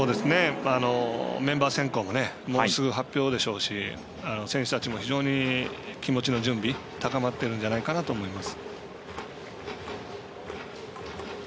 メンバー選考がもうすぐ発表でしょうし選手たちも非常に気持ちの準備高まっているんじゃないかなと思います。